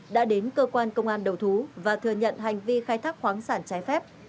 đã đến cơ quan công an đầu thú và thừa nhận hành vi khai thác khoáng sản trái phép